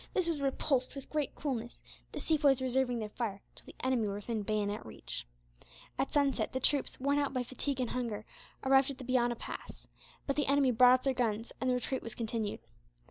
This was repulsed with great coolness, the Sepoys reserving their fire till the enemy were within bayonet reach. At sunset the troops, worn out by fatigue and hunger, arrived at the Biana pass; but the enemy brought up their guns, and the retreat was continued.